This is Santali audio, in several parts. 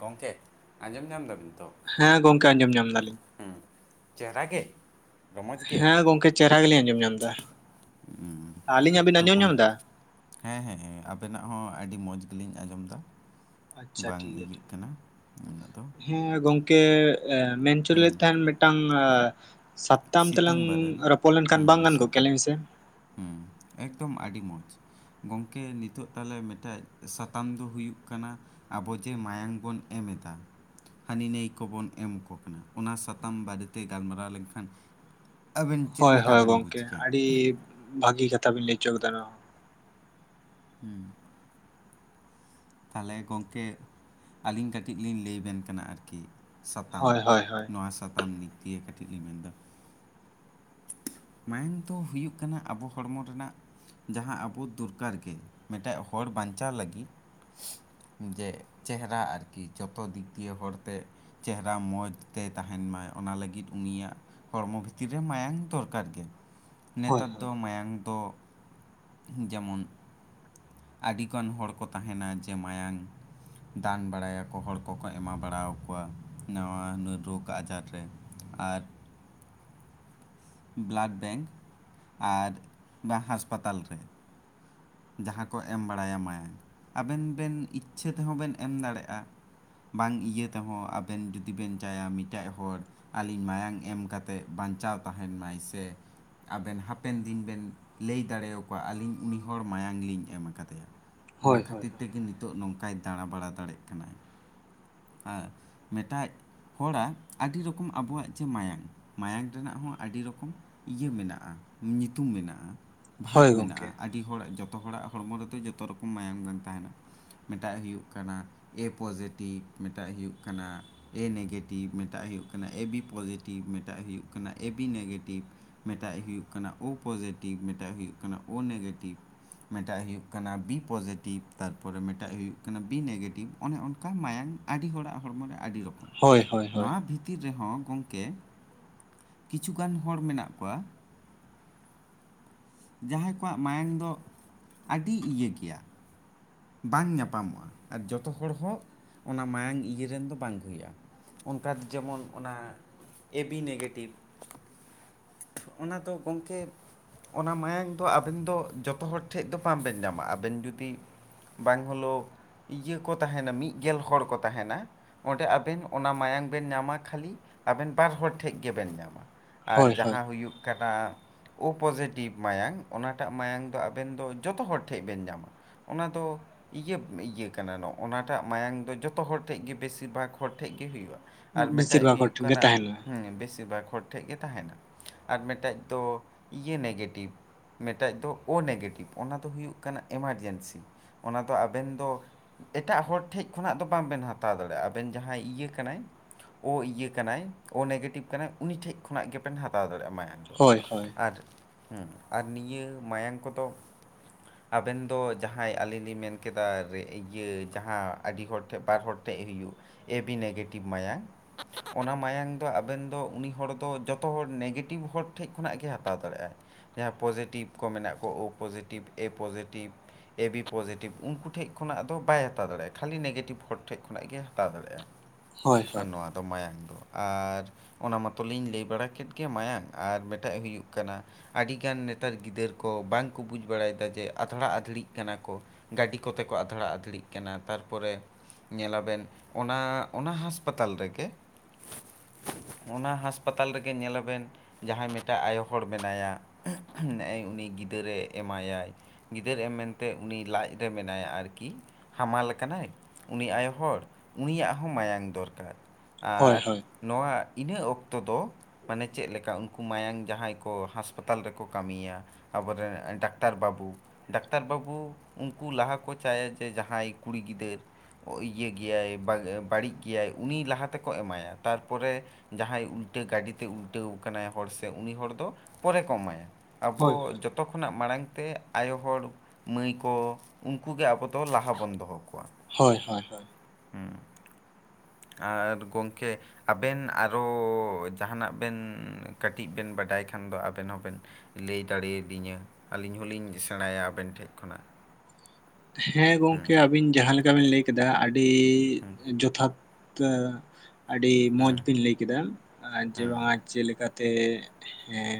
ᱜᱚᱢᱠᱮ ᱟᱸᱡᱚᱢ ᱧᱟᱢ ᱫᱟᱵᱤᱱ ᱛᱚ? ᱦᱮᱸ ᱜᱚᱢᱠᱮ ᱟᱸᱡᱚᱢ ᱧᱟᱢ ᱫᱟᱞᱤᱧ ᱾ ᱦᱮᱸ, ᱪᱮᱦᱨᱟ ᱜᱮ? ᱨᱚᱢᱚᱡᱽ ᱜᱮ ᱦᱮᱸ ᱜᱚᱢᱠᱮ ᱪᱮᱨᱦᱟ ᱜᱤᱞᱤᱧ ᱟᱸᱡᱚᱢ ᱧᱟᱢ ᱮᱫᱟ, ᱟᱹᱞᱤᱧᱟᱜ ᱵᱤᱱ ᱛᱚ ᱟᱸᱡᱚᱢ ᱜᱚᱝ ᱧᱟᱢ ᱮᱫᱟ? ᱦᱮᱸ ᱦᱮᱸ ᱟᱵᱮᱱᱟᱜ ᱦᱚᱸ ᱟᱹᱰᱤ ᱢᱚᱸᱡᱽ ᱜᱮ ᱞᱤᱧ ᱟᱸᱡᱚᱢ ᱫᱟ, ᱟᱪᱪᱷᱟ ᱴᱷᱤᱠ ᱜᱮᱭᱟ, ᱩᱱᱟᱹᱜ ᱫᱚ ᱦᱮᱸ ᱜᱚᱢᱠᱮ ᱢᱮᱱ ᱦᱚᱪᱚ ᱦᱩᱸ ᱞᱮᱫ ᱛᱟᱦᱮᱱ ᱢᱤᱫᱴᱟᱝ ᱮ ᱥᱟᱯᱛᱟᱢ ᱛᱮᱞᱟᱝ ᱥᱤᱛᱟᱹᱢ ᱵᱟᱨᱮ ᱨᱮ ᱨᱚᱯᱚᱲ ᱞᱮᱱ ᱠᱷᱟᱱ ᱵᱟᱝ ᱜᱟᱱ ᱠᱚᱫ ᱠᱮᱞᱟᱹᱭ ᱢᱮ ᱥᱮ? ᱦᱮᱸ, ᱮᱠᱫᱚᱢ ᱟᱹᱰᱤ ᱢᱚᱸᱡᱽ ᱜᱚᱢᱠᱮ ᱱᱤᱛᱚᱜ ᱛᱟᱞᱮ ᱢᱤᱫ ᱴᱮᱡ ᱥᱟᱛᱟᱢ ᱫᱚ ᱦᱩᱭᱩᱜ ᱠᱟᱱᱟ, ᱟᱵᱚ ᱡᱮ ᱢᱟᱭᱝ ᱵᱚᱱ ᱮᱢ ᱮᱫᱟ, ᱦᱟᱹᱱᱤ ᱱᱟᱹᱭ ᱠᱚᱵᱚᱱ ᱮᱢ ᱠᱚ ᱠᱟᱱᱟ ᱚᱱᱟ ᱥᱟᱛᱟᱢ ᱵᱟᱨᱮ ᱛᱮ ᱜᱟᱞᱢᱟᱨᱟᱣ ᱞᱮᱱ ᱠᱷᱟᱱ, ᱦᱳᱭ ᱦᱳᱭ ᱜᱚᱢᱠᱮ ᱠᱮᱭᱟ ᱟᱹᱰᱤ ᱵᱷᱟᱹᱜᱤ ᱠᱟᱛᱷᱟ ᱵᱤᱱ ᱞᱟᱹᱭᱪᱚ ᱠᱟᱫᱟ ᱱᱚᱣᱟ ᱦᱩᱸ, ᱛᱟᱦᱚᱞᱮ ᱜᱚᱝᱠᱮ ᱟᱹᱞᱤᱧ ᱠᱟᱹᱴᱤᱡ ᱞᱤᱧ ᱞᱟᱹᱭ ᱵᱮᱱ ᱠᱟᱱᱟ ᱟᱨᱠᱤ, ᱥᱟᱛᱟᱢ ᱦᱚᱸ᱾ ᱦᱳᱭ ᱦᱳᱭ ᱱᱚᱣᱟ ᱥᱟᱛᱟᱢ ᱱᱤᱛᱤᱨ ᱠᱟᱹᱴᱤᱡ ᱞᱤᱧ ᱢᱮᱱ ᱮᱫᱟ, ᱢᱟᱭᱟᱝ ᱫᱚ ᱦᱩᱭᱩᱜ ᱠᱟᱱᱟ ᱟᱵᱚ ᱦᱚᱲᱢᱚ ᱨᱮᱱᱟᱜ ᱡᱟᱦᱟᱸ ᱟᱵᱚ ᱫᱚᱨᱠᱟᱨ ᱜᱮ ᱢᱤᱫᱴᱮᱱ ᱦᱚᱲ ᱵᱟᱱᱪᱟᱣ ᱞᱟᱹᱜᱤᱫ, ᱡᱮ ᱪᱮᱦᱮᱨᱟ ᱟᱨᱠᱤ ᱡᱚᱛᱚ ᱫᱤᱠ ᱫᱤᱭᱮ ᱦᱚᱲ ᱛᱮ, ᱪᱮᱦᱮᱨᱟ ᱢᱚᱸᱡᱽ ᱛᱮ ᱛᱟᱦᱮᱱ ᱢᱟᱭ ᱚᱱᱟ ᱞᱟᱹᱜᱤᱫ ᱩᱱᱤᱭᱟᱜ ᱦᱚᱲᱢᱚ ᱵᱷᱤᱛᱤᱨ, ᱨᱮ ᱢᱟᱭᱟᱝ ᱫᱚᱨᱠᱟᱨ ᱜᱮ ᱦᱳᱭ ᱱᱮᱛᱟᱨ ᱦᱳᱭ ᱫᱚ ᱢᱟᱭᱟᱝ ᱫᱚ ᱡᱮᱢᱚᱱ, ᱟᱹᱰᱤᱜᱟᱱ ᱦᱚᱲ ᱠᱚ ᱛᱟᱦᱮᱱᱟ ᱡᱮ ᱢᱟᱭᱟᱝ, ᱫᱟᱱ ᱵᱟᱲᱟᱭᱟ ᱠᱚ ᱦᱚᱲ ᱠᱚ ᱠᱚ ᱮᱢᱟ ᱵᱟᱲᱟ ᱠᱚᱣᱟ ᱱᱟᱣᱟ ᱱᱩᱭ ᱨᱳᱜᱽ ᱟᱡᱟᱨ ᱨᱮ, ᱟᱨ, ᱵᱞᱟᱰ ᱵᱮᱝᱠ ᱟᱨ ᱵᱟ ᱦᱟᱥᱯᱟᱛᱟᱞ ᱨᱮ, ᱡᱟᱦᱟᱸ ᱠᱚ ᱮᱢ ᱵᱟᱲᱟᱭᱟ ᱢᱟᱭᱟᱝ ᱟᱵᱮᱱ ᱵᱮᱱ ᱤᱪᱪᱷᱟᱹ ᱛᱮ ᱦᱚᱸ ᱵᱮᱱ ᱮᱢ ᱫᱟᱲᱮᱭᱟᱜᱼᱟ᱾ ᱵᱟᱝ ᱤᱭᱟᱹ ᱛᱮ ᱦᱚᱸ ᱟᱵᱮᱱ ᱡᱩᱫᱤ ᱵᱮᱱ ᱪᱟᱭᱟ ᱢᱤᱫᱴᱮᱡ ᱦᱚᱲ, ᱟᱹᱞᱤᱧ ᱢᱟᱭᱟᱝ ᱮᱢ ᱠᱟᱛᱮᱫ ᱵᱟᱧᱪᱟᱣ ᱛᱟᱦᱮᱱ ᱢᱟᱭ ᱥᱮ, ᱟᱵᱮᱱ ᱦᱟᱯᱮᱱ ᱫᱤᱱ ᱵᱮᱱ ᱞᱟᱹᱭ ᱫᱟᱲᱮᱣ ᱟᱠᱚᱣᱟ ᱟᱹᱞᱤᱧ ᱩᱱᱤ ᱦᱚᱲ ᱢᱟᱭᱟᱝ ᱞᱤᱧ ᱮᱢ ᱟᱠᱟ ᱫᱮᱭᱟ ᱚᱱᱟ ᱦᱳᱭ ᱦᱳᱭ ᱦᱳᱭ ᱠᱷᱟᱹᱛᱤᱨ ᱛᱮᱜᱮ ᱱᱤ- ᱛᱚᱜ ᱱᱚᱝᱠᱟᱭ ᱫᱟᱬᱟ ᱵᱟᱲᱟ ᱫᱟᱲᱮᱜ ᱠᱟᱱᱟᱭ, ᱟᱨ ᱢᱮᱴᱟᱡ ᱦᱚᱲᱟᱜ ᱟᱹᱰᱤ ᱨᱚᱠᱚᱢ ᱟᱵᱚᱣᱟᱜ ᱡᱮ ᱢᱟᱭᱟᱝ, ᱢᱟᱭᱟᱝ ᱨᱮᱱᱟᱜ ᱦᱚᱸ ᱟᱹᱰᱤ ᱨᱚᱠᱚᱢ ᱤᱭᱟᱹ ᱢᱮᱱᱟᱜ-ᱟ, ᱧᱩᱛᱩᱢ ᱢᱮᱱᱟᱜ-ᱟ, ᱵᱷᱟᱜ ᱦᱳᱭ ᱜᱚᱝᱠᱮ ᱢᱮᱱᱟᱜ-ᱟ᱾ ᱟᱹᱰᱤ ᱦᱚᱲ ᱟᱜ ᱡᱚᱛᱚ ᱦᱚᱲᱟᱜ ᱦᱚᱲᱢᱚ ᱨᱮᱫᱚ ᱡᱚᱛᱚ ᱨᱚᱠᱚᱢ ᱢᱟᱭᱟᱢ ᱵᱟᱝ ᱛᱟᱦᱮᱱᱟ᱾ ᱢᱮᱴᱟᱜ ᱦᱩᱭᱩᱜ ᱠᱟᱱᱟ ᱮ ᱯᱚᱡᱮᱴᱤᱵᱷ, ᱢᱮᱴᱟᱜ ᱦᱩᱭᱩᱜ ᱠᱟᱱᱟ ᱮ ᱱᱮᱜᱮᱴᱤᱵᱷ ᱢᱮᱴᱟᱜ ᱦᱩᱭᱩᱜ ᱠᱟᱱᱟ ᱮ ᱵᱤ ᱯᱚᱡᱮᱴᱤᱵᱷ ᱢᱮᱴᱟᱜ ᱦᱩᱭᱩᱜ ᱠᱟᱱᱟ ᱮ ᱵᱤ ᱱᱮᱜᱮᱴᱤᱵᱷ᱾ ᱢᱮᱴᱟᱜ ᱦᱩᱭᱩᱜ ᱠᱟᱱᱟ ᱳ ᱯᱚᱡᱮᱴᱤᱵᱷ ᱢᱮᱴᱟᱜ ᱦᱩᱭᱩᱜ ᱠᱟᱱᱟ ᱳ ᱱᱮᱜᱮᱴᱤᱵᱷ ᱢᱮᱴᱟᱜ ᱦᱩᱭᱩᱜ ᱠᱟᱱᱟ ᱵᱤ ᱯᱚᱡᱮᱴᱤᱵᱷ ᱛᱟᱨᱯᱚᱨᱮ ᱢᱮᱴᱟᱜ ᱦᱩᱭᱩᱜ ᱠᱟᱱᱟ ᱵᱤ ᱱᱮᱜᱮᱴᱤᱵᱷ ᱚᱱᱮ ᱚᱱᱠᱟ ᱢᱟᱭᱟᱝ ᱟᱹᱰᱤ ᱦᱚᱲᱟᱜ ᱦᱚᱲᱢᱚ ᱨᱮ ᱟᱹᱰᱤ ᱨᱚᱠᱚᱢ᱾ ᱦᱳᱭ ᱦᱳᱭ ᱦᱳᱭ ᱱᱚᱣᱟ ᱵᱷᱤᱛᱤᱨ ᱨᱮᱦᱚᱸ ᱜᱚᱝᱠᱮ ᱠᱤᱪᱷᱩ ᱜᱟᱱ ᱦᱚᱲ ᱢᱮᱱᱟᱜ ᱠᱚᱣᱟ ᱡᱟᱦᱟᱸᱭ ᱠᱚᱣᱟᱜ ᱢᱟᱭᱟᱝ ᱫᱚ, ᱟᱹᱰᱤ ᱤᱭᱟᱹ ᱜᱮᱭᱟ ᱵᱟᱝ ᱧᱟᱯᱟᱢᱚᱜ-ᱟ ᱟᱨ ᱡᱚᱛᱚ ᱦᱚᱲ ᱦᱚᱸ ᱚᱱᱟ ᱢᱟᱭᱟᱝ ᱤᱭᱟᱹ ᱨᱮᱱ ᱫᱚ ᱵᱟᱝ ᱠᱚ ᱦᱩᱭᱩᱜ-ᱟ᱾ ᱚᱱᱠᱟ-ᱫ ᱡᱮᱢᱚᱱ ᱚᱱᱟ ᱮ ᱵᱤ ᱱᱮᱜᱮᱴᱤᱵᱷ᱾ ᱚᱱᱟ ᱫᱚ ᱜᱚᱝᱠᱮ ᱚᱱᱟ ᱢᱟᱭᱟᱝ ᱫᱚ ᱟᱵᱮᱱ ᱫᱚ ᱡᱚᱛᱚ ᱦᱚᱲ ᱴᱷᱮᱡ ᱫᱚ ᱵᱟᱝᱵᱮᱱ ᱧᱟᱢᱟ ᱟᱵᱮᱱ ᱡᱩᱫᱤ ᱵᱟᱝ ᱦᱳᱞᱳ, ᱤᱭᱟᱹ ᱠᱚ ᱛᱟᱦᱮᱱᱟ ᱢᱤᱫ ᱜᱮᱞ ᱦᱚᱲ ᱠᱚ ᱛᱟᱦᱮᱱᱟ᱾ ᱚᱸᱰᱮ ᱟᱵᱮᱱ ᱚᱱᱟ ᱢᱟᱭᱟᱝ ᱵᱮᱱ ᱧᱟᱢᱟ ᱠᱷᱟᱹᱞᱤ ᱟᱵᱮᱱ ᱵᱟᱨ ᱦᱚᱲ ᱴᱷᱮᱡ ᱜᱮᱵᱮᱱ ᱧᱟᱢᱟ᱾ ᱟᱨ ᱦᱳᱭ ᱦᱳᱭ ᱡᱟᱦᱟᱸ ᱦᱩᱭᱩᱜ ᱠᱟᱱᱟ ᱳ ᱯᱚᱡᱮᱴᱤᱵᱷ ᱢᱟᱭᱟᱝ ᱚᱱᱟᱴᱟᱜ ᱢᱟᱭᱟᱝ ᱫᱚ ᱟᱵᱮᱱ ᱫᱚ ᱡᱚᱛᱚ ᱦᱚᱲ ᱴᱷᱮᱱ ᱵᱮᱱ ᱧᱟᱢᱟ᱾ ᱚᱱᱟ ᱫᱚ ᱤᱭᱟᱹᱵ ᱤᱭᱟᱹ ᱠᱟᱱᱟ ᱱᱚᱜ-ᱚ ᱚᱱᱟ ᱴᱟᱜ ᱢᱟᱭᱟᱝ ᱫᱚ ᱡᱚᱛᱚ ᱦᱚᱲ ᱴᱷᱮᱡ ᱜᱮ ᱵᱮᱥᱤᱨ ᱵᱷᱟᱜ ᱦᱚᱲ ᱴᱷᱮᱡ ᱜᱮ ᱦᱩᱭᱩᱜ-ᱟ᱾ ᱟᱨ ᱵᱮᱥᱤᱨ ᱢᱮᱴᱮᱡ ᱵᱷᱟᱜᱽ ᱦᱚᱲ ᱦᱩᱭᱩᱜ ᱴᱷᱮᱱ ᱜᱮ ᱠᱟᱱᱟ, ᱛᱟᱦᱮᱱᱟ ᱦᱮᱸ ᱵᱮᱥᱤᱨ ᱵᱷᱟᱜ ᱦᱚᱲ ᱴᱷᱮᱡ ᱜᱮ ᱛᱟᱦᱮᱱᱟ ᱟᱨ ᱢᱮᱴᱮᱡ ᱫᱚ ᱤᱭᱟᱹ ᱱᱮᱜᱮᱴᱤᱵᱷ ᱢᱮᱫᱴᱮᱡ ᱫᱚ ᱳ ᱱᱮᱜᱮᱴᱤᱵᱷ ᱚᱱᱟ ᱫᱚ ᱦᱩᱭᱩᱜ ᱠᱟᱱᱟ ᱮᱢᱟᱨᱡᱮᱱᱥᱤ᱾ ᱚᱱᱟ ᱫᱚ ᱟᱵᱮᱱ ᱫᱚ ᱮᱴᱟᱜ ᱦᱚᱲ ᱴᱷᱮᱡ ᱠᱷᱚᱱᱟᱜ ᱫᱚ ᱵᱟᱝᱵᱮᱱ ᱦᱟᱛᱟᱣ ᱫᱟᱲᱮᱭᱟᱜ-ᱟ ᱟᱵᱮᱱ ᱡᱟᱦᱟᱸᱭ ᱤᱭᱟᱹ ᱠᱟᱱᱟᱭ ᱳ ᱤᱭᱟᱹ ᱠᱟᱱᱟᱭ, ᱳ ᱱᱮᱜᱮᱴᱤᱵᱷ ᱠᱟᱱᱟᱭ ᱩᱱᱤ ᱴᱷᱮᱡ ᱠᱷᱚᱱᱟᱜ ᱜᱮᱵᱮᱱ ᱦᱟᱛᱟᱣ ᱫᱟᱲᱮᱭᱟᱜ-ᱟ ᱢᱟᱭᱟᱝ ᱫᱚ᱾ ᱦᱳᱭ ᱦᱳᱭ ᱟᱨ ᱦᱩᱸ ᱟᱨ ᱱᱤᱭᱟᱹ ᱢᱟᱭᱟᱝ ᱠᱚᱫᱚ, ᱟᱵᱮᱱ ᱫᱚ ᱡᱟᱦᱟᱸᱭ ᱟᱹᱞᱤᱧ ᱞᱤᱧ ᱢᱮᱱ ᱠᱮᱫᱟ ᱨᱮ ᱤᱭᱟᱹ ᱡᱟᱦᱟᱸ ᱟᱹᱰᱤ ᱦᱚᱲ ᱴᱷᱮᱡ ᱵᱟᱨ ᱦᱚᱲ ᱴᱷᱮᱡ ᱦᱩᱭᱩᱜ ᱮ ᱵᱤ ᱱᱮᱜᱮᱴᱤᱵᱷ ᱢᱟᱭᱟᱝ᱾ ᱚᱱᱟ ᱢᱟᱭᱟᱝ ᱫᱚ ᱟᱵᱮᱱ ᱫᱚ ᱩᱱᱤ ᱦᱚᱲ ᱫᱚ ᱡᱚᱛᱚ ᱦᱚᱲ ᱱᱮᱜᱮᱴᱤᱵᱷ ᱦᱚᱲ ᱴᱷᱮᱡ ᱠᱷᱚᱱᱟᱜ ᱜᱮ ᱦᱟᱛᱟᱣ ᱫᱟᱲᱮᱭᱟᱜ-ᱟᱭ᱾ ᱡᱟᱦᱟᱸ ᱯᱚᱡᱮᱴᱤᱵᱷ ᱠᱚ ᱢᱮᱱᱟᱜ ᱠᱚ, ᱳ positive A positive A B positive, ᱩᱱᱠᱩ ᱴᱷᱮᱡ ᱠᱷᱚᱱᱟᱜ ᱫᱚ ᱵᱟᱭ ᱦᱟᱛᱟᱣ ᱫᱟᱲᱮᱭᱟᱜ-ᱟ᱾ ᱠᱷᱟᱹᱞᱤ ᱱᱮᱜᱮᱴᱤᱵᱷ ᱦᱚᱲ ᱴᱷᱮᱡ ᱠᱷᱚᱱᱟᱜ ᱜᱮ ᱦᱟᱛᱟᱣ ᱫᱟᱲᱮᱭᱟᱜ-ᱟ᱾ ᱦᱳᱭ ᱦᱳᱭ ᱟᱨ ᱱᱚᱣᱟ ᱫᱚ ᱢᱟᱭᱟᱝ ᱫᱚ ᱟᱨ ᱚᱱᱟ ᱢᱟᱛᱚ ᱞᱤᱧ ᱞᱟᱹᱭ ᱵᱟᱲᱟ ᱠᱮᱫ ᱜᱮ ᱢᱟᱭᱟᱝ ᱟᱨ ᱢᱮᱴᱟᱜ ᱦᱩᱭᱩᱜ ᱠᱟᱱᱟ ᱟᱹᱰᱤᱜᱟᱱ ᱱᱮᱛᱟᱨ ᱜᱤᱫᱟᱹᱨ ᱠᱚ ᱵᱟᱝ ᱠᱚ ᱵᱩᱡᱽ ᱵᱟᱲᱟᱭ ᱮᱫᱟ᱾ ᱡᱮ ᱟᱫᱷᱲᱟ ᱟᱫᱷᱲᱤᱜ ᱠᱟᱱᱟ ᱠᱚ ᱜᱟᱹᱰᱤ ᱠᱚᱛᱮ ᱠᱚ ᱟᱫᱷᱲᱟ ᱟᱫᱷᱲᱤᱜ ᱠᱟᱱᱟ ᱛᱟᱨᱯᱚᱨᱮ ᱧᱮᱞᱟᱵᱮᱱ ᱚᱱᱟ ᱚᱱᱟ ᱦᱟᱥᱯᱟᱛᱟᱞ ᱨᱮᱜᱮ [inaudible] ᱚᱱᱟ ᱦᱟᱥᱯᱟᱛᱟᱞ ᱨᱮᱜᱮ ᱧᱮᱞᱟᱵᱮᱱ ᱡᱟᱦᱟᱸᱭ ᱢᱮᱫᱴᱟᱜ ᱟᱭᱳ ᱦᱚᱲ ᱢᱮᱱᱟᱭᱟ [unintelligible] ᱱᱮᱜ-ᱮᱭ ᱩᱱᱤ ᱜᱤᱫᱟᱹᱨᱮ ᱮᱢᱟᱭᱟᱭ᱾ ᱜᱤᱫᱟᱹᱨ ᱮᱢ ᱢᱮᱱᱛᱮ ᱩᱱᱤ ᱞᱟᱡ ᱨᱮ ᱢᱮᱱᱟᱭᱟ ᱟᱨᱠᱤ᱾ ᱠᱷᱟᱢᱟᱞ ᱠᱟᱱᱟᱭ ᱩᱱᱤ ᱟᱭᱳ ᱦᱚᱲ ᱩᱱᱤᱭᱟᱜ ᱦᱚᱸ ᱢᱟᱭᱟᱝ ᱫᱚᱨᱠᱟᱨ ᱦᱳᱭ ᱟᱨ ᱦᱳᱭ ᱱᱚᱣᱟ ᱤᱱᱟᱹᱜ ᱚᱠᱛᱚ ᱫᱚ ᱢᱟᱱᱮ ᱪᱮᱫ ᱞᱮᱠᱟ ᱩᱱᱠᱩ ᱢᱟᱭᱟᱝ ᱡᱟᱦᱟᱸᱭ ᱠᱚ ᱦᱟᱥ ᱯᱟᱛᱟᱞ ᱨᱮᱠᱚ ᱠᱟᱹᱢᱤᱭᱟ᱾ ᱟᱵᱚ ᱨᱮᱱ ᱰᱟᱠᱛᱟᱨ ᱵᱟᱹᱵᱩ ᱰᱟᱠᱛᱟᱨ ᱵᱟᱹᱵᱩ ᱩᱱᱠᱩ ᱞᱟᱦᱟ ᱠᱚ ᱪᱟᱭᱟ ᱡᱮ ᱡᱟᱦᱟᱸᱭ ᱠᱩᱲᱤ ᱜᱤᱫᱟᱹᱨ ᱠᱚ ᱤᱭᱟᱹ ᱵᱟᱜ-ᱜᱮᱭᱟᱭ ᱵᱟᱹᱲᱤᱡ ᱜᱮᱭᱟᱭ ᱩᱱᱤ ᱞᱟᱦᱟ ᱛᱮᱠᱚ ᱮᱢᱟᱭᱟ ᱛᱟᱨᱯᱚᱨᱮ ᱡᱟᱦᱟᱸᱭ ᱩᱞᱴᱟᱹ ᱜᱟᱹᱰᱤ ᱛᱮ ᱩᱞᱴᱟᱹᱣ ᱠᱟᱱᱟᱭ ᱦᱚᱲ ᱥᱮᱫ ᱩᱱᱤ ᱦᱚᱲ ᱫᱚ ᱯᱚᱨᱮ ᱠᱚ ᱮᱢᱟᱭᱟ᱾ ᱦᱳᱭ ᱟᱵᱚ ᱡᱷᱚᱛᱚ ᱠᱷᱚᱱᱟᱜ ᱢᱟᱲᱟᱝ ᱛᱮ ᱟᱭᱳ ᱦᱚᱲ ᱢᱟᱹᱭ ᱠᱚ, ᱩᱱᱠᱩ ᱜᱮ ᱟᱵᱚ ᱞᱟᱦᱟ ᱵᱚᱱ ᱫᱚᱦᱚ ᱠᱚᱣᱟ᱾ ᱦᱳᱭ ᱦᱳᱭ ᱦᱳᱭ᱾ [inaudible] ᱟᱨ ᱜᱚᱝᱠᱮ ᱟᱵᱮᱱ ᱟᱨᱚ ᱡᱟᱦᱟᱱᱟᱜ ᱵᱮᱱ ᱠᱟᱹᱴᱤᱡ ᱵᱮᱱ ᱵᱟᱰᱟᱭ ᱠᱷᱟᱱ ᱫᱚ ᱟᱵᱮᱱ ᱦᱚᱸᱵᱮᱱ ᱞᱟᱹᱭ ᱫᱟᱲᱮ ᱟᱫᱤᱧᱟ ᱟᱹᱞᱤᱧ ᱦᱚᱞᱤᱧ ᱥᱮᱬᱟᱭᱟ ᱟᱵᱮᱱ ᱴᱷᱮᱡ ᱠᱷᱚᱱᱟᱜ᱾ ᱦᱮᱸ ᱜᱚᱝᱠᱮ ᱟᱹᱵᱤᱱ ᱡᱟᱦᱟᱸ ᱞᱮᱠᱟ ᱵᱤᱱ ᱞᱟᱹᱭ ᱠᱮᱫᱟ ᱟᱹᱰᱤ ᱡᱚᱛᱷᱟᱛ ᱛᱚ ᱟᱹᱰᱤ ᱢᱚᱡᱽ ᱵᱤᱱ ᱞᱟᱹᱭ ᱠᱮᱫᱟ᱾ ᱟ ᱡᱮ ᱵᱟᱝᱟ ᱪᱮᱫ ᱞᱮᱠᱟᱛᱮ ᱦᱮᱸ᱾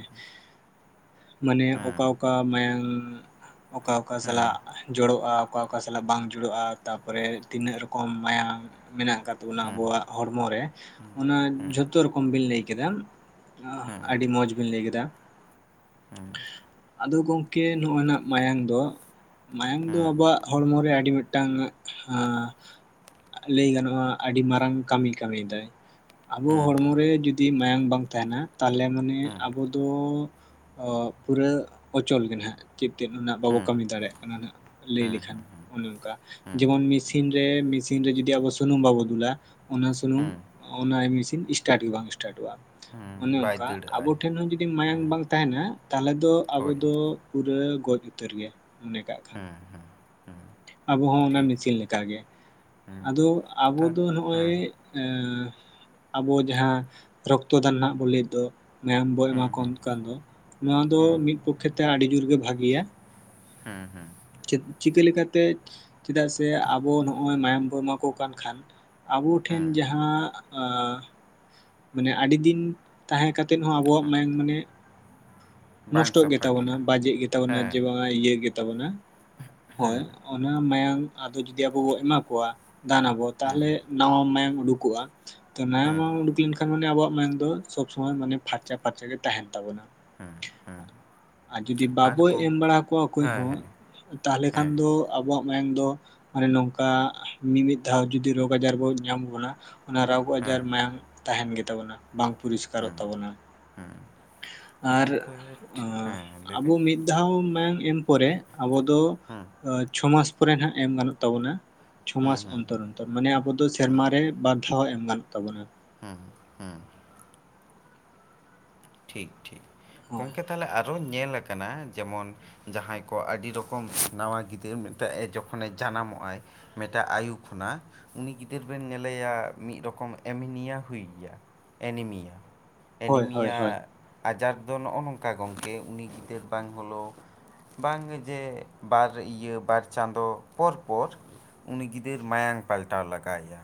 ᱢᱟᱱᱮ ᱚᱠᱟ ᱚᱠᱟ ᱢᱟᱭᱟᱝ ᱚᱠᱟ ᱚᱠᱟ ᱥᱟᱞᱟᱜ ᱡᱚᱲᱚᱜ-ᱟ ᱚᱠᱟ ᱚᱠᱟ ᱥᱟᱞᱟᱜ ᱵᱟᱝ ᱡᱩᱲᱟᱹᱜ-ᱟ ᱛᱟᱯᱚᱨᱮ ᱛᱤᱱᱟᱹᱜ ᱨᱚᱠᱚᱢ ᱢᱟᱭᱟᱝ ᱢᱮᱱᱟᱜ ᱟᱠᱟᱫ ᱛᱟᱵᱚᱱᱟ ᱟᱵᱚᱣᱟᱜ ᱦᱚᱲᱢᱚ ᱨᱮ ᱚᱱᱟ ᱡᱷᱚᱛᱚ ᱨᱚᱠᱚᱢ ᱵᱤᱱ ᱞᱟᱹᱭ ᱠᱮᱫᱟ᱾ ᱟᱦ ᱟᱹᱰᱤ ᱢᱚᱸᱡᱽ ᱵᱤᱱ ᱞᱟᱹᱭ ᱠᱮᱫᱟ᱾ [inaudible] ᱟᱫᱚ ᱜᱚᱝᱠᱮ ᱱᱚᱜ-ᱚᱭ ᱱᱟᱜ ᱢᱟᱭᱟᱢ ᱫᱚ ᱢᱟᱭᱟᱝ ᱫᱚ ᱟᱵᱚᱣᱟᱜ ᱦᱚᱲᱢᱚ ᱨᱮ ᱟᱹᱰᱤ ᱢᱤᱫ ᱴᱟᱝ ᱦᱟᱸ ᱞᱟᱹᱭ ᱜᱟᱱᱚᱜ-ᱟ ᱟᱹᱰᱤ ᱢᱟᱨᱟᱝ ᱠᱟᱹᱢᱤ ᱠᱟᱹᱢᱤᱭ ᱫᱟᱭ᱾ ᱟᱵᱚ ᱦᱚᱲᱢᱚ ᱨᱮ ᱡᱩᱫᱤ ᱢᱟᱭᱟᱝ ᱵᱟᱝ ᱛᱟᱦᱮᱱᱟ ᱛᱟᱦᱞᱮ ᱢᱟᱱᱮ ᱟᱵᱚ ᱫᱚ ᱚ ᱯᱩᱨᱟᱹ ᱚᱪᱚᱞ ᱜᱮ ᱱᱟᱦᱟᱜ ᱪᱮᱫ ᱛᱮᱫ ᱦᱚᱸ ᱱᱥᱜ ᱵᱟᱵᱚ ᱠᱟᱹᱢᱤ ᱫᱟᱲᱮ ᱭᱟᱜ ᱠᱟᱱᱟ ᱱᱟᱦᱜ᱾ ᱞᱟᱹᱭ ᱞᱮᱠᱷᱟᱱ ᱚᱱᱮ ᱚᱱᱠᱟ ᱡᱮᱢᱚᱱ ᱢᱮᱥᱤᱱ ᱨᱮ ᱢᱮᱥᱤᱱ ᱨᱮ ᱡᱚᱫᱤ ᱟᱵᱚ ᱥᱩᱱᱩᱢ ᱵᱟᱵᱚ ᱫᱩᱞᱟ ᱚᱱᱟ ᱥᱩᱱᱩᱢ ᱚᱱᱟ ᱢᱮᱥᱤᱱ ᱮᱥᱴᱟᱴ ᱜᱮ ᱵᱟᱝ ᱮᱥᱴᱟᱴᱚᱜ-ᱟ᱾ ᱚᱱᱮ ᱦᱮᱸ, ᱵᱟᱭ ᱚᱱᱠᱟ ᱫᱟᱹᱲᱟᱜᱼᱟᱭ ᱟᱵᱚ ᱴᱷᱮᱱ ᱦᱚᱸ ᱡᱩᱫᱤ ᱢᱟᱭᱟᱝ ᱵᱟᱝ ᱛᱟᱦᱮᱱᱟ ᱛᱟᱦᱞᱮ ᱫᱚ ᱟᱵᱚ ᱦᱳᱭ ᱫᱚ ᱯᱩᱨᱟᱹ ᱜᱚᱡ ᱩᱛᱟᱹᱨ ᱜᱮ ᱢᱚᱱᱮ ᱠᱟᱜ ᱠᱷᱮᱱ᱾ ᱟᱵᱚᱸ ᱦᱚᱸ ᱚᱱᱟ ᱴᱷᱤᱠ ᱢᱮᱥᱤᱱ ᱞᱮᱠᱟ ᱜᱮ᱾ ᱟᱫᱚ ᱟᱵᱚ ᱛᱟ ᱫᱚ ᱱᱚᱜ-ᱚᱭ ᱦᱮᱸ, ᱮᱸ ᱟᱵᱚ ᱡᱟᱦᱟᱸ ᱨᱚᱠᱛᱚ ᱫᱟᱱ ᱱᱟᱦᱟᱜ ᱵᱚᱱ ᱞᱟᱹᱭ ᱫᱚ ᱢᱟᱭᱟᱢ ᱵᱚ ᱮᱢᱟ ᱠᱚ ᱦᱚᱭᱩᱜ ᱠᱟᱱ ᱫᱚ ᱱᱚᱣᱟ ᱫᱚ ᱢᱤᱫ ᱯᱚᱠ ᱠᱷᱮᱛᱮ ᱟᱹᱰᱤ ᱡᱳᱨ ᱜᱮ ᱵᱷᱟᱜᱮᱭᱟ᱾ ᱦᱮᱸ ᱦᱮᱸ᱾ ᱪᱮᱫ, ᱪᱤᱠᱟᱹ ᱞᱮᱠᱟᱛᱮ ᱪᱮᱫᱟᱜ ᱥᱮ ᱟᱵᱚ ᱱᱚᱜ-ᱚᱭ ᱢᱟᱭᱟᱢ ᱵᱚᱱ ᱮᱢᱟ ᱠᱚ ᱠᱟᱱ ᱠᱷᱟᱱ ᱟᱵᱚ ᱴᱷᱮᱱ ᱡᱟᱦᱟᱸ ᱢᱟᱱᱮ ᱟᱸ ᱟᱹᱰᱤ ᱫᱤᱱ ᱛᱟᱦᱮᱸ ᱠᱟᱛ ᱛᱮᱫ ᱦᱚᱸ ᱟᱵᱚᱣᱟᱜ ᱢᱟᱭᱟᱝ ᱢᱟᱱᱮ ᱵᱟᱝ ᱱᱚᱥᱴᱚᱜ ᱥᱟᱯᱷᱟ ᱜᱮᱛᱟ ᱵᱚᱱᱟ, ᱜᱮᱭᱟ ᱵᱟᱡᱮᱜ ᱜᱮᱛᱟᱜ ᱵᱚᱱᱟ ᱦᱮᱸ ᱡᱮ ᱵᱟᱝ ᱱᱚᱣᱟ ᱤᱭᱟᱹ ᱜᱮᱛᱟ ᱵᱚᱱᱟ ᱦᱳᱭ ᱚᱱᱟ ᱢᱟᱭᱟᱝ ᱟᱫᱚ ᱡᱩᱫᱤ ᱟᱵᱚ ᱵᱚ ᱮᱢᱟ ᱠᱚᱣᱟ᱾ ᱫᱟᱱ ᱟᱵᱚ ᱛᱟᱦᱞᱮ ᱱᱟᱣᱟ ᱢᱟᱭᱟᱢ ᱩᱰᱩᱠᱚᱜ-ᱟ᱾ ᱛᱚ ᱱᱟᱣᱟ ᱢᱟᱭᱟᱢ ᱩᱰᱩᱠ ᱞᱮᱱᱠᱷᱟᱱ ᱢᱟᱱᱮ ᱟᱵᱚᱣᱟᱜ ᱢᱟᱭᱟᱢ ᱫᱚ ᱥᱚᱵᱽ ᱥᱩᱢᱚᱭ ᱢᱟᱱᱮ ᱯᱷᱟᱨᱪᱟ ᱯᱷᱟᱨᱪᱟ ᱜᱮ ᱛᱟᱦᱮᱱ ᱛᱟᱵᱚᱱᱟ᱾ [inaudible] ᱟᱨ ᱡᱩᱫᱤ ᱟᱨ ᱵᱟᱵᱚ ᱜᱚᱝ ᱮᱢ ᱵᱟᱲᱟ ᱠᱚᱣᱟ ᱚᱠᱚᱭ ᱦᱮᱸ ᱦᱚᱸ ᱦᱮᱸ ᱛᱟᱦᱞᱮ ᱠᱷᱟᱱ ᱦᱮᱸ ᱫᱚ ᱟᱵᱚᱣᱟᱜ ᱢᱟᱭᱟᱝ ᱫᱚ ᱢᱟᱱᱮ ᱱᱚᱝᱠᱟ ᱢᱤᱼᱢᱤᱫ ᱫᱷᱟᱣ ᱡᱩᱫᱤ ᱨᱳᱜᱽ ᱟᱡᱟᱨ ᱵᱚᱱ ᱧᱟᱢ ᱵᱚᱱᱟ ᱚᱱᱟ ᱨᱳᱜᱽ ᱟᱡᱟᱨ ᱦᱮᱸ ᱢᱟᱭᱟᱝ ᱛᱟᱦᱮᱱ ᱜᱮᱛᱟ ᱵᱚᱱᱟ ᱵᱟᱝ ᱯᱚᱨᱤᱥ ᱠᱟᱨᱚᱜ ᱛᱟᱵᱚᱱᱟ᱾ ᱦᱮᱸ᱾ ᱟᱨ ᱜᱚᱝᱠᱮ ᱟ ᱞᱟᱹᱭ ᱵᱤᱱ ᱟᱵᱚ ᱢᱤᱫ ᱫᱷᱟᱣ ᱢᱟᱭᱟᱝ ᱮᱢ ᱯᱚᱨᱮ ᱟᱵᱚ ᱫᱚ ᱪᱷᱚᱢᱟᱥ ᱯᱚᱨᱮ ᱱᱟᱦᱟᱜ ᱮᱢ ᱜᱟᱱᱚᱜ ᱛᱟᱵᱚᱱᱟ ᱪᱷᱚᱢᱟᱥ ᱚᱱᱛᱚᱨ ᱨᱮ ᱛᱚ ᱢᱟᱱᱮ ᱟᱵᱚ ᱫᱚ ᱥᱮᱨᱢᱟᱨ ᱨᱮ ᱵᱟᱨᱫᱷᱟᱣ ᱦᱚᱸ ᱮᱢ ᱜᱟᱱᱚᱜ ᱛᱟᱵᱚᱱᱟ ᱦᱮᱸ ᱦᱮᱸ ᱴᱷᱤᱠ ᱴᱷᱤᱠ ᱦᱳᱭ ᱜᱚᱢᱠᱮ ᱛᱟᱦᱚᱞᱮ ᱟᱨᱚ ᱧᱮᱞ ᱠᱟᱱᱟ ᱡᱮᱢᱚᱱ ᱡᱟᱦᱟᱸᱭ ᱠᱚ ᱟᱰᱤ ᱨᱚᱠᱚᱢ ᱱᱟᱣᱟ ᱜᱤᱫᱽᱨᱟᱹ ᱢᱤᱫᱴᱮᱡ ᱡᱚᱠᱷᱚᱱᱮ ᱡᱟᱱᱟᱢᱚᱜ ᱟᱭ ᱢᱤᱫᱴᱟᱜ ᱟᱭᱩ ᱠᱷᱚᱱᱟᱜ ᱩᱱᱤ ᱜᱤᱫᱟᱹᱨ ᱵᱮᱱ ᱧᱮᱞᱮᱭᱟ ᱢᱤᱫ ᱨᱚᱠᱚᱢ ᱮᱢᱤᱱᱤᱭᱟ ᱦᱩᱭ ᱮᱭᱟ ᱮᱱᱤᱢᱤᱭᱟ ᱦᱳᱭ ᱦᱳᱭ ᱮᱱᱤᱢᱤᱭᱟ ᱦᱳᱭ ᱟᱡᱟᱨ ᱫᱚ ᱱᱚᱜ-ᱚ ᱱᱚᱝᱠᱟ ᱜᱚᱢᱠᱮ ᱩᱱᱤ ᱜᱤᱫᱟᱹᱨ ᱵᱟᱝ ᱦᱚᱞᱚ ᱵᱟᱝ ᱡᱮ ᱵᱟᱨ ᱤᱭᱟᱹ ᱵᱟᱨ ᱪᱟᱸᱫᱚ ᱯᱚᱨ ᱯᱚᱨ ᱩᱱᱤ ᱜᱤᱫᱟᱹᱨ ᱢᱟᱭᱟᱝ ᱯᱟᱞᱴᱟᱣ ᱞᱟᱜᱟᱣ ᱟᱭᱟ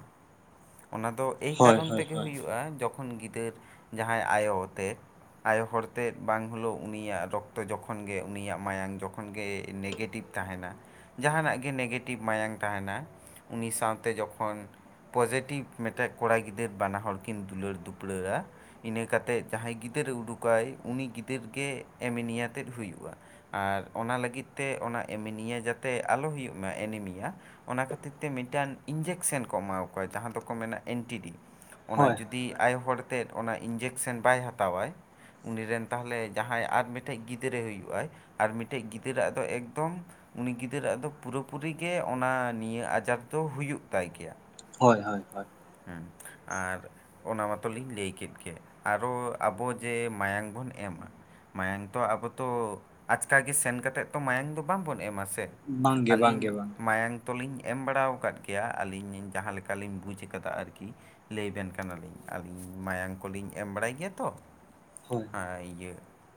ᱚᱱᱟ ᱫᱚ ᱮᱭ ᱦᱳᱭ ᱠᱟᱨᱚᱱ ᱦᱳᱭ ᱛᱮᱜᱮ ᱦᱳᱭ ᱦᱩᱭᱩᱜ-ᱟ ᱡᱚᱠᱷᱚᱱ ᱜᱤᱫᱟᱹᱨ ᱡᱟᱦᱟᱸᱭ ᱟᱭᱳ ᱟᱛᱮᱡ ᱟᱭᱳ ᱦᱚᱲ ᱛᱮᱫ ᱵᱟᱝ ᱦᱳᱞᱳ ᱩᱱᱤᱭᱟᱜ ᱨᱚᱠᱛᱚ ᱡᱚᱠᱷᱚᱱ ᱜᱮ ᱩᱱᱤᱭᱟᱜ ᱢᱟᱭᱟᱝ ᱡᱚᱠᱷᱚᱱ ᱜᱮ ᱱᱮᱜᱮᱴᱤᱵᱽ ᱛᱟᱦᱮᱱᱟ ᱡᱟᱦᱟᱱᱟᱜ ᱜᱮ ᱱᱮᱜᱮᱴᱤᱵᱷ ᱢᱟᱭᱟᱝ ᱛᱟᱦᱮᱱᱟ ᱩᱱᱤ ᱥᱟᱶᱛᱮ ᱡᱚᱠᱷᱚᱱ ᱯᱚᱡᱮ ᱴᱤᱵᱽ ᱢᱤᱫᱴᱮᱡ ᱠᱚᱲᱟ ᱜᱤᱫᱟᱹᱨ ᱵᱟᱱᱟ ᱦᱚᱲ ᱠᱤᱱ ᱫᱩᱞᱟᱹᱲ ᱫᱩᱯᱲᱟ-ᱟ ᱤᱱᱟᱹ ᱠᱟᱛᱮᱫ ᱡᱟᱦᱟᱸᱭ ᱜᱤᱫᱟᱹᱨᱮ ᱩᱰᱩᱠᱟᱭ ᱩᱱᱤ ᱜᱤᱫᱟᱹᱨ ᱜᱮ ᱮᱢᱮᱱᱤᱭᱟ ᱛᱮᱫ ᱦᱩᱭᱩᱜ-ᱟ ᱾ ᱟᱨ ᱚᱱᱟ ᱞᱟᱹᱜᱤᱫ ᱛᱮ ᱚᱱᱟ ᱮᱢᱤᱱᱤᱭᱟ ᱡᱟᱛᱮᱜ ᱟᱞᱚ ᱦᱩᱭᱩᱜ ᱢᱟ ᱮᱱᱤᱢᱤᱭᱟ ᱚᱱᱟ ᱠᱷᱟᱹᱛᱤᱨ ᱛᱮ ᱢᱤᱫᱴᱟᱱ ᱤᱧᱡᱮᱠᱥᱮᱱ ᱠᱚ ᱮᱢᱟᱣ ᱠᱚᱣᱟ ᱡᱟᱦᱟᱸ ᱫᱚᱠᱚ ᱢᱮᱱᱟ ᱮᱱᱴᱤᱰᱤ ᱚᱱᱟ ᱦᱳᱭ ᱡᱩ ᱫᱤ ᱟᱭᱳ ᱦᱚᱲ ᱛᱮᱫ ᱚᱱᱟ ᱤᱧᱡᱮᱠᱥᱮᱱ ᱵᱟᱭ ᱦᱟᱛᱟᱣ ᱟᱭ ᱩᱱᱤ ᱨᱮᱱ ᱛᱟᱦᱚᱞᱮ ᱡᱟᱦᱟᱸᱭ ᱟᱨ ᱢᱤᱫᱴᱮᱡ ᱜᱤᱫᱽᱨᱟᱹᱭ ᱦᱩᱭᱩᱜ ᱟᱭ ᱟᱨ ᱢᱤᱫᱴᱮᱡ ᱜᱤᱫᱽᱨᱟᱹ ᱟᱜ ᱫᱚ ᱮᱠᱫᱚᱢ ᱩᱱᱤ ᱜᱤᱫᱟᱹᱨ ᱟ ᱫᱚ ᱯᱩᱨᱟᱹ ᱯᱩᱨᱤ ᱜᱮ ᱚᱱᱟ ᱱᱤᱭᱟᱹ ᱟᱡᱟᱨ ᱫᱚ ᱦᱩᱭᱩᱜ ᱛᱟᱭ ᱜᱮᱭᱟ ᱾ ᱦᱳᱭ ᱦᱳᱭ ᱦᱳᱭ ᱦᱮᱸ ᱟᱨ ᱚᱱᱟ ᱢᱟᱛᱚᱞᱤᱧ ᱞᱟᱹᱭ ᱠᱮᱫ ᱜᱮ ᱟᱨᱚ ᱟᱵᱚ ᱡᱮ ᱢᱟᱭᱟᱝ ᱵᱚᱱ ᱮᱢᱟ ᱢᱟᱭᱟᱝ ᱛᱚ ᱟᱵᱚ ᱛᱚ ᱟᱪᱠᱟ ᱜᱮ ᱥᱮᱱ ᱠᱟᱛᱮᱜ ᱛᱚ ᱢᱟᱭᱟᱝ ᱫᱚ ᱵᱟᱝ ᱵᱚᱱ ᱮᱢᱟ ᱥᱮ ᱵᱟᱝᱜᱮ ᱟᱹᱞᱞᱤᱧ ᱵᱟᱝᱜᱮ ᱵᱟᱝᱜᱮ ᱢᱟᱭᱟᱝ ᱛᱚᱞᱤᱧ ᱮᱢ ᱵᱟᱲᱟᱣ ᱠᱟᱫ ᱜᱮᱭᱟ ᱟᱹᱞᱤᱧ ᱤᱧ ᱡᱟᱦᱟᱸ ᱞᱮᱠᱟᱞᱤᱧ ᱵᱩᱡ [unintelligible] ᱟᱨᱠᱤ ᱞᱟᱹᱭ ᱟᱵᱮᱱ ᱠᱟᱱᱟᱞᱤᱧ ᱟᱹᱞᱤᱧ ᱢᱟᱭᱟᱝ ᱠᱚᱞᱤᱧ ᱮᱢ ᱵᱟᱲᱟᱭ ᱜᱮᱭᱟ ᱛᱚ ᱦᱳᱭ ᱤᱭᱟᱹ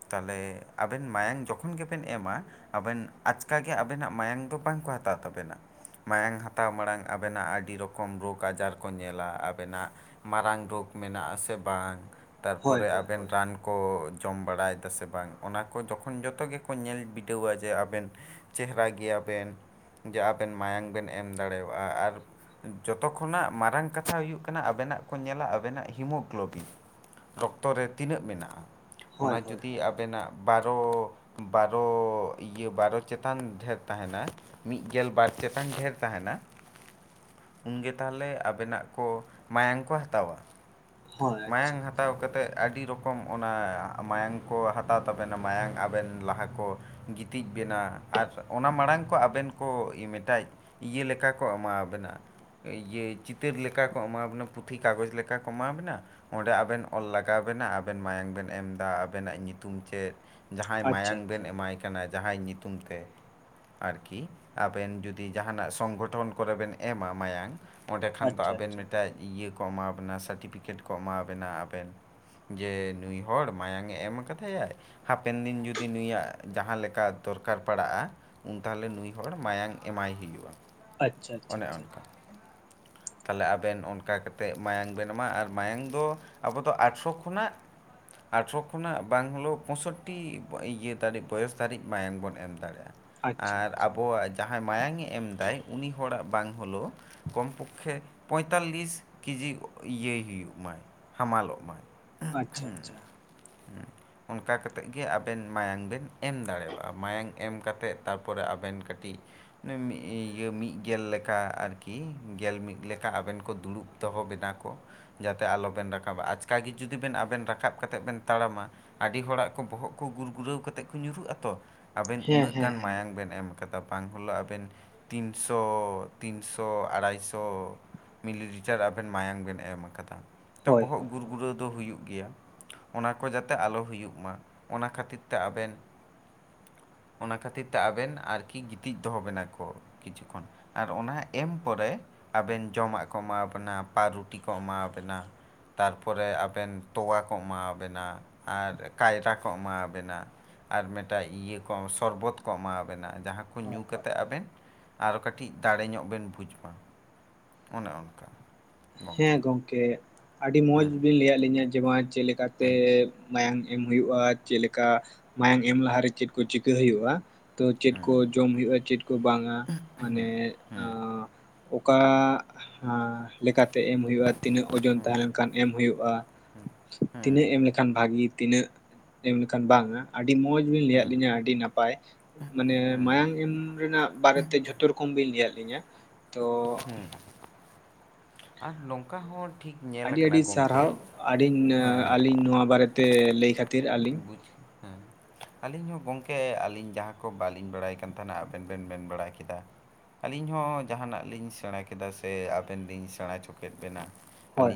ᱛᱟᱦᱚᱞᱮ ᱟᱵᱮᱱ ᱢᱟᱭᱟᱝ ᱡᱚᱠᱷᱚᱱ ᱜᱮᱵᱮᱱ ᱮᱢᱟ ᱟᱵᱮᱱ ᱟᱪᱠᱟᱜᱮ ᱟᱵᱮᱱᱟᱜ ᱢᱟᱭᱟᱝ ᱫᱚ ᱵᱟᱝᱠᱚ ᱦᱟᱛᱟᱣ ᱛᱟᱵᱮᱱᱟ ᱢᱟᱭᱟᱝ ᱦᱟᱛᱟᱣ ᱢᱟᱲᱟᱝ ᱟᱵᱮᱱᱟᱜ ᱟᱰᱤ ᱨᱚᱠᱚᱢ ᱨᱳᱜᱽ ᱟᱡᱟᱨ ᱠᱚ ᱧᱮᱞᱟ ᱟᱵᱮᱱᱟᱜ ᱢᱟᱨᱟᱝ ᱨᱳᱜᱽ ᱢᱮᱱᱟᱜ ᱥᱮ ᱵᱟᱝ ᱛᱟᱨᱯᱚᱨᱮ ᱟᱵᱮᱱ ᱨᱟᱱ ᱠᱚ ᱡᱚᱢ ᱵᱟᱲᱟᱭᱮᱫᱟ ᱥᱮ ᱵᱟᱝ ᱚᱱᱟ ᱠᱚ ᱡᱚᱠᱷᱚᱱ ᱡᱚᱛᱚ ᱜᱮᱠᱚ ᱧᱮᱞ ᱵᱤᱰᱟᱹᱣᱟ ᱡᱮ ᱟᱵᱮᱱ ᱪᱮᱦᱨᱟ ᱜᱮᱭᱟᱵᱮᱱ ᱡᱮ ᱟᱵᱮᱱ ᱢᱟᱭᱟᱝ ᱵᱮᱱ ᱮᱢ ᱫᱟᱲᱮᱣᱟᱜ-ᱟ ᱟᱨ ᱡᱚᱛᱚ ᱠᱷᱚᱱᱟᱜ ᱢᱟᱨᱟᱝ ᱠᱟᱛᱷᱟ ᱦᱩᱭᱩᱜ ᱠᱟᱱᱟ ᱟᱵᱮᱱᱟᱜ ᱠᱚ ᱧᱮᱞᱟ ᱟᱵᱮᱱᱟᱜ ᱦᱤᱢᱳᱜᱞᱳᱵᱤᱱ ᱨᱚᱠᱛᱚ ᱨᱮ ᱛᱤᱱᱟᱹᱜ ᱢᱮᱱᱟᱜ-ᱟ ᱦᱳᱭ ᱚᱱᱟ ᱦᱳᱭ ᱡᱩᱫᱤ ᱦᱳᱭ ᱟᱵᱮᱱᱟᱜ ᱵᱟᱨᱚ ᱵᱟᱨᱚ ᱤᱭᱟᱹ ᱵᱟᱨᱚ ᱪᱮᱛᱟᱱ ᱰᱷᱮᱨ ᱛᱟᱦᱮᱱᱟ ᱢᱤᱫ ᱜᱮᱞ ᱵᱟᱨ ᱪᱮᱛᱟᱱ ᱰᱷᱮᱨ ᱛᱟᱦᱮᱱᱟ ᱩᱱᱜᱮ ᱛᱟᱦᱚᱞᱮ ᱟᱵᱮᱱᱟᱜ ᱠᱚ ᱢᱟᱭᱟᱝ ᱠᱚ ᱦᱟᱛᱟᱣᱟ ᱦᱳᱭ ᱟᱪᱪᱷᱟ ᱢᱟᱭᱟᱝ ᱦᱟ ᱛᱟᱣ ᱟᱪᱪᱷᱟ ᱠᱟᱛᱮᱫ ᱟᱰᱤ ᱨᱚᱠᱚᱢ ᱚᱱᱟ ᱢᱟᱭᱟᱝ ᱠᱚ ᱦᱟᱛᱟᱣ ᱛᱟᱵᱮᱱᱟ ᱢᱟᱭᱟᱝ ᱟᱵᱮᱱ ᱞᱟᱦᱟ ᱠᱚ ᱜᱤᱛᱤᱡ ᱵᱮᱱᱟ ᱟᱨ ᱚᱱᱟ ᱢᱟᱲᱟᱝ ᱠᱚ ᱟᱵᱮᱱ ᱠᱚ ᱢᱮᱴᱟᱭ ᱤᱭᱟᱹ ᱞᱮᱠᱟ ᱠᱚ ᱮᱢᱟᱣ ᱟᱵᱮᱱᱟ ᱤᱭᱟᱹ ᱪᱤᱹᱛᱟᱨ ᱞᱮᱠᱟ ᱠᱚ ᱮᱢᱟᱣ ᱟᱵᱮᱱᱟ ᱯᱩᱛᱷᱤ ᱠᱟᱜᱚᱡᱽ ᱞᱮᱠᱟ ᱠᱚ ᱮᱢᱟᱣ ᱟᱵᱮᱱᱟ ᱚᱸᱰᱮ ᱟᱵᱮᱱ ᱚᱞ ᱞᱟᱜᱟᱣ ᱟᱵᱮᱱᱟ ᱟᱵᱮᱱ ᱢᱟᱭᱟᱝ ᱵᱮᱱ ᱮᱢᱫᱟ ᱟᱵᱮᱱᱟᱜ ᱧᱩᱛᱩᱢ ᱪᱮᱫ? ᱡᱟᱦᱟᱸᱭ ᱟᱪᱪᱷᱟ ᱢᱟᱭᱟᱝ ᱵᱮᱱ ᱮᱢᱟᱭ ᱠᱟᱱᱟ ᱡᱟᱦᱟᱸᱭ ᱧᱩᱛᱩᱢ ᱛᱮ ᱟᱨᱠᱤ ᱟᱵᱮᱱ ᱡᱩᱫᱤ ᱡᱟᱦᱟᱱᱟᱜ ᱥᱚᱝᱜᱚᱴᱷᱚᱱ ᱠᱚᱨᱮ ᱵᱮᱱ ᱮᱢᱟ ᱢᱟᱭᱟᱝ ᱚᱸᱰᱮ ᱠᱷᱟᱱ ᱫᱚ ᱟᱪᱪᱷᱟ ᱟᱵᱮᱱ ᱟᱪᱪᱷᱟ ᱢᱮᱫᱴᱮᱡ ᱤᱭᱟᱹ ᱠᱚ ᱮᱢᱟ ᱟᱵᱮᱱᱟ ᱥᱟᱴᱤᱯᱷᱤᱠᱤᱴ ᱠᱚ ᱮᱢᱟ ᱟᱵᱮᱱᱟ ᱟᱵᱮᱱ᱾ ᱡᱮ ᱱᱩᱭ ᱦᱚᱲ ᱢᱟᱭᱟᱝᱮ ᱮᱢ ᱠᱟᱫᱟᱭᱟᱭ᱾ ᱦᱟᱯᱮᱱ ᱫᱤᱱ ᱡᱩᱫᱤ ᱱᱩᱭᱟᱜ ᱡᱟᱦᱟᱸ ᱞᱮᱠᱟ ᱫᱚᱨᱠᱟᱨ ᱯᱟᱲᱟᱜ-ᱟ ᱩᱱ ᱛᱟᱦᱟᱞᱮ ᱱᱩᱭ ᱦᱚᱲ ᱢᱟᱭᱟᱝ ᱮᱢᱟᱭ ᱦᱩᱭᱩᱜ-ᱟ᱾ ᱟᱪᱪᱷᱟ ᱟᱪᱷᱟ ᱟᱪᱪᱷᱟ᱾ ᱛᱟᱞᱦᱮ ᱟᱵᱮᱱ ᱚᱱᱠᱟ ᱠᱟᱛᱮᱫ ᱢᱟᱭᱟᱢ ᱵᱮᱱ ᱮᱢᱟ ᱟᱨ ᱢᱟᱭᱟᱝ ᱫᱚ ᱟᱵᱚ ᱫᱚ ᱟᱴᱷᱨᱚ ᱠᱷᱚᱱᱟᱜ ᱟᱴᱷᱨᱚ ᱠᱷᱚᱱᱟᱜ ᱵᱟᱝ ᱦᱳᱞᱳ ᱯᱚᱸᱥᱳᱴᱴᱤ ᱤᱭᱟᱹ ᱫᱷᱤᱡ ᱵᱚᱭᱚᱥ ᱫᱷᱟᱨᱤᱡ ᱢᱟᱭᱟᱢ ᱵᱚᱱ ᱮᱢ ᱫᱟᱲᱮᱜ-ᱟ᱾ ᱟᱪᱪᱷᱟ ᱟᱪᱪᱷᱟ ᱟᱨ ᱟᱪᱪᱷᱟ ᱟᱪᱪᱷᱟ ᱟᱵᱚᱣᱟᱜ ᱡᱟᱦᱟᱸᱭ ᱢᱟᱭᱟᱝᱮ ᱮᱢᱫᱟᱭ ᱩᱱᱤ ᱦᱚᱲᱟᱜ ᱵᱟᱝ ᱦᱳᱞᱳ ᱠᱚᱢ ᱯᱚ ᱠᱷᱮ ᱯᱚᱸᱭᱛᱟᱞᱞᱤᱥ ᱠᱮᱡᱤ ᱤᱭᱟᱹᱭ ᱦᱩᱭᱩᱜ ᱢᱟᱭ ᱦᱟᱢᱟᱞᱚᱜ ᱢᱟᱭ᱾ ᱟᱪᱪᱷᱟ ᱟᱪᱪᱷᱟ᱾ [inaudible] ᱚᱱᱠᱟ ᱠᱟᱛᱮᱫ ᱜᱮ ᱟᱵᱮᱱ ᱢᱟᱭᱟᱝ ᱵᱮᱱ ᱮᱢ ᱫᱟᱲᱮᱣᱟᱜ-ᱟ ᱢᱟᱭᱟᱝ ᱮᱢ ᱠᱟᱛᱮᱫ ᱛᱟᱯᱚᱨᱮ ᱟᱵᱮᱱ ᱠᱟᱹᱴᱤᱡ [unintelligible] ᱤᱭᱟᱹ ᱢᱤᱫ ᱜᱮᱞ ᱞᱮᱠᱟ ᱟᱨᱠᱤ ᱜᱮᱞ ᱢᱤᱫ ᱞᱮᱠᱟ ᱟᱵᱮᱱ ᱠᱚ ᱫᱩᱲᱩᱵ ᱫᱚᱦᱚ ᱵᱤᱱᱟ ᱠᱚ᱾ ᱡᱟᱛᱮ ᱟᱞᱚᱵᱮᱱ ᱨᱟᱠᱟᱵᱟ, ᱟᱪᱠᱟ ᱜᱮ ᱡᱩᱫᱤ ᱵᱮᱱ ᱟᱵᱮᱱ ᱨᱟᱠᱟᱵ ᱠᱟᱛᱮᱫ ᱵᱮᱱ ᱛᱟᱲᱟᱢᱟ ᱟᱹᱰᱤ ᱦᱚᱲᱟᱜ ᱠᱚ ᱵᱚᱦᱚᱜ ᱠᱚ ᱜᱩᱨ ᱜᱩᱨᱟᱹᱣ ᱠᱟᱛᱮᱫ ᱠᱚ ᱧᱩᱨᱩᱜ ᱟᱛᱚ ᱟᱵᱮᱱ ᱦᱮᱸ ᱩᱱᱟᱹᱜ ᱦᱮᱸ ᱜᱟᱱ ᱦᱮᱸ ᱢᱟᱭᱟᱝ ᱵᱮᱱ ᱮᱢ ᱠᱟᱫᱟ ᱵᱟᱝ ᱦᱚᱞᱳᱜ ᱟᱵᱮᱱ ᱛᱤᱱᱥᱚ ᱛᱤᱱᱥᱚ ᱟᱲᱟᱭ ᱛᱚ ᱢᱤᱞᱤ ᱞᱤᱴᱟᱨ ᱟᱵᱮᱱ ᱢᱟᱭᱟᱝ ᱵᱮᱱ ᱮᱢ ᱟᱠᱟᱫᱟ ᱛᱚ ᱦᱳᱭ ᱵᱚᱦᱚᱜ ᱦᱳᱭ ᱜᱩᱨ ᱦᱳᱭ ᱜᱩᱨᱟ. ᱣ ᱫᱚ ᱦᱩᱭᱩᱜ ᱜᱮᱭᱟ᱾ ᱚᱱᱟ ᱠᱚ ᱡᱟᱛᱮ ᱟᱞᱚ ᱦᱩᱭᱩᱜ ᱢᱟ ᱚᱱᱟ ᱠᱷᱟᱹᱛᱤᱨ ᱛᱮ ᱟᱵᱮᱱ ᱚᱱᱟ ᱠᱷᱟᱹᱛᱤᱨ ᱛᱮ ᱟᱵᱮᱱ ᱟᱨᱠᱤ ᱜᱤᱛᱤᱡ ᱫᱚᱦᱚ ᱵᱮᱱᱟ ᱠᱚ᱾ ᱠᱤᱪᱷᱩ ᱠᱷᱚᱱ ᱟᱨ ᱚᱱᱟ ᱮᱢ ᱯᱚᱨᱮ ᱟᱵᱮᱱ ᱡᱚᱢᱟᱜ ᱠᱚ ᱮᱢᱟ ᱟᱵᱮᱱᱟ ᱯᱟᱨᱩᱴᱤ ᱠᱚ ᱮᱢᱟ ᱟᱵᱮᱱᱟ ᱛᱟᱨᱯᱚᱨᱮ ᱟᱵᱮᱱ ᱛᱚᱣᱟ ᱠᱚ ᱮᱢᱟ ᱟᱵᱮᱱᱟ ᱟᱨ ᱠᱟᱭᱨᱟ ᱠᱚ ᱮᱢᱟ ᱟᱵᱮᱱᱟ ᱟᱨ ᱢᱮᱫᱴᱟᱱ ᱤᱭᱟᱹ ᱠᱚ ᱥᱚᱨᱵᱚᱛ ᱠᱚ ᱮᱢᱟ ᱟᱵᱮᱱᱟ ᱡᱟᱦᱟᱸ ᱠᱚ ᱦᱳᱭ ᱧᱩ ᱦᱳᱭ ᱠᱟᱛᱮᱫ ᱟᱵᱮᱱ ᱟᱨᱚ ᱠᱟ. ᱴᱤᱡ ᱫᱟᱲᱮ ᱧᱚᱜ ᱵᱮᱱ ᱵᱩᱡᱽ ᱢᱟ᱾ ᱚᱱᱮ ᱚᱱᱠᱟ᱾ ᱦᱮᱸ ᱜᱚᱢᱠᱮ ᱜᱚᱝᱠᱮ ᱟᱹᱰᱤ ᱢᱚᱸᱡᱽ ᱵᱤᱱ ᱞᱟᱹᱭᱟᱫ ᱞᱤᱧᱟᱹ ᱡᱮᱢᱟᱪ ᱪᱮᱫ ᱞᱮᱠᱟᱛᱮ ᱢᱟᱭᱟᱢ ᱮᱢ ᱦᱩᱭᱩᱜ-ᱟ ᱪᱮᱫ ᱞᱮᱠᱟ ᱢᱟᱭᱟᱢ ᱮᱢ ᱞᱟᱦᱟᱨᱮ ᱪᱮᱫ ᱠᱚ ᱪᱤᱠᱟᱹ ᱦᱩᱭᱩᱜ-ᱟ᱾ ᱛᱚ ᱪᱮᱫ ᱠᱚ ᱡᱚᱢ ᱦᱩᱭᱩᱜ-ᱟ ᱪᱮᱫ ᱠᱚ ᱵᱟᱝᱟ ᱢᱟᱱᱮ ᱚᱠᱟ ᱞᱮᱠᱟᱛᱮ ᱮᱢ ᱦᱳᱭᱳᱜ-ᱟ ᱛᱤᱱᱟᱹᱜ ᱳᱡᱳᱱ ᱛᱟᱦᱮᱱ ᱠᱟᱱ ᱮᱢ ᱦᱩᱭᱩᱜ-ᱟ ᱛᱤᱱᱟᱹᱜ ᱮᱢ ᱞᱮᱠᱷᱟᱱ ᱵᱷᱟᱹᱜᱤ ᱛᱤᱱᱟᱹᱜ ᱮᱢ ᱞᱮᱠᱷᱟᱱ ᱵᱟᱝᱟ ᱟᱹᱰᱤ ᱢᱚᱸᱡᱽ ᱵᱤᱱ ᱞᱟᱹᱭᱟᱫ ᱞᱤᱧᱟᱹ ᱟᱹᱰᱤ ᱱᱟᱯᱟᱭ᱾ ᱢᱟᱱᱮ ᱢᱟᱭᱟᱝ ᱮᱢ ᱨᱮᱱᱟᱜ ᱵᱟᱨᱮᱛᱮ ᱡᱷᱚᱛᱚ ᱨᱚᱠᱚᱢ ᱵᱤᱱ ᱞᱟᱹᱭᱟᱫ ᱞᱤᱧᱟᱹ᱾ ᱛᱚ ᱦᱩᱸ ᱟᱨ ᱱᱚᱝᱠᱟ ᱦᱚᱸ ᱴᱷᱤᱠ ᱧᱮᱞ ᱟᱹᱰᱤ ᱟᱠᱟᱱᱟ ᱟᱹᱰᱤ ᱥᱟᱨᱦᱟᱣ ᱜᱚᱢᱠᱮ ᱟᱹᱰᱤᱧ ᱦᱮᱸ ᱦᱮᱸ ᱟᱹᱞᱤᱧ ᱱᱚᱣᱟ ᱵᱟᱨᱮᱛᱮ ᱞᱟᱹᱭ ᱠᱷᱟᱹ [unintelligible] ᱟᱹᱞᱤᱧ ᱦᱚᱸ ᱜᱚᱝᱠᱮ ᱟᱹᱞᱤᱧ ᱡᱟᱦᱟᱸ ᱠᱚ ᱵᱟᱹᱞᱤᱧ ᱵᱟᱲᱟᱭ ᱠᱟᱱ ᱛᱟᱦᱮᱱ-ᱟ ᱟᱵᱮᱱ ᱵᱮᱱ ᱢᱮᱱ ᱵᱟᱲᱟ ᱠᱮᱫᱟ᱾ ᱟᱹᱞᱤᱧ ᱦᱚᱸ ᱡᱟᱦᱟᱱᱟᱜ ᱞᱤᱧ ᱥᱮᱬᱟ ᱠᱮᱫᱟ, ᱥᱮ ᱟᱵᱮᱱ ᱞᱤᱧ ᱥᱮᱬᱟ ᱚᱪᱚ ᱠᱮᱫ ᱵᱮᱱᱟ᱾ ᱦᱳᱭ ᱟᱹᱞᱤᱧ